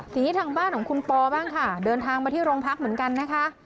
ทีนี้ทางบ้านของคุณปอบ้างค่ะเดินทางมาที่โรงพักเหมือนกันนะคะ